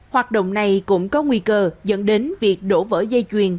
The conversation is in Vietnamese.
hoạt động này cũng có nguy cơ dẫn đến việc đổ vỡ dây chuyền